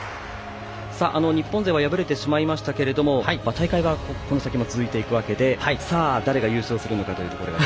日本勢は敗れてしまいましたけれども大会はこの先も続いていくわけで誰が優勝するかという。